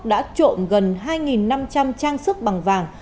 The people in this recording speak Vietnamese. đã trộm gần hai năm trăm linh trang sức bằng vàng